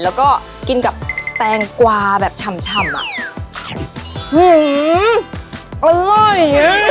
แล้วก็กินกับแตงกวาแบบฉ่ำอ่ะหืออร่อย